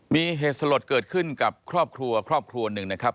มีเหตุสลดเกิดขึ้นกับครอบครัวครอบครัวหนึ่งนะครับ